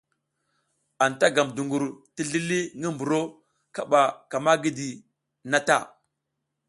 Anta gam duƞgur ti zlili ngi mburo kaɓa ka ma gidi na ta.